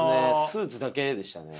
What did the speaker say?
スーツだけでしたね。